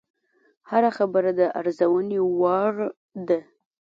هره خبره د ارزونې وړ ده